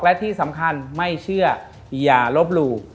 และที่สำคัญไม่เชื่ออย่าลบหลู่